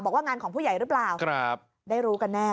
งานของผู้ใหญ่หรือเปล่าได้รู้กันแน่